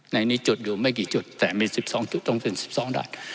ในนี้จุดอยู่ไม่กี่จุดแต่มี๑๒จุดตรงถึง๑๒ดัด